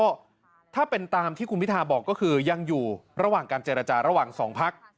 ก็ถ้าเป็นตามที่คุณพิทาบอกก็คือยังอยู่ระหว่างการเจรจาระหว่างสองพัก